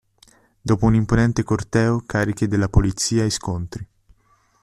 Dopo un imponente corteo cariche della polizia e scontri.